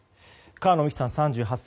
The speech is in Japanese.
川野美樹さん、３８歳。